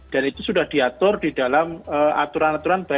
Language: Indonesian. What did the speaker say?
dan itu sudah diatur di dalam aturan aturan polisi